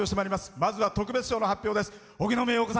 まずは特別賞の発表です。